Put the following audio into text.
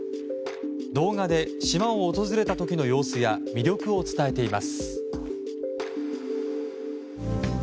動画で島を訪れた時の様子や魅力を伝えています。